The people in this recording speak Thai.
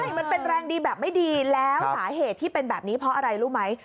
ใช่มันเป็นแรงดีแบบไม่ดีแล้วสาเหตุที่เป็นแบบนี้เพราะอะไรรู้ไหม